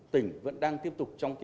tỉnh vẫn đang tiếp tục trong